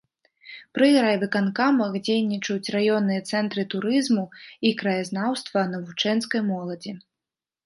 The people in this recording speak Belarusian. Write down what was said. Пры райвыканкамах дзейнічаюць раённыя цэнтры турызму і краязнаўства навучэнскай моладзі.